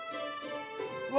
うわ！